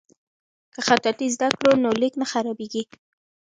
که خطاطي زده کړو نو لیک نه خرابیږي.